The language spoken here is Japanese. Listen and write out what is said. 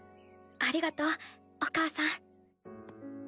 ありがとうお母さん。